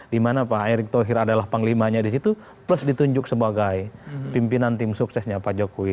dimana pak erick thohir adalah panglimanya di situ plus ditunjuk sebagai pimpinan tim suksesnya pak jokowi